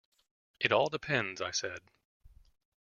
"It all depends," I said.